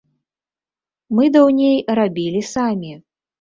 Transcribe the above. Мы даўней рабілі самі.